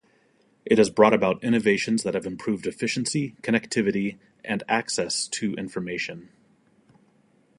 It has brought about innovations that have improved efficiency, connectivity, and access to information.